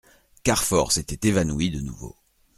Carfor s'était évanoui de nouveau.